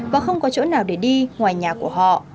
và không có chỗ nào để đi ngoài nhà của họ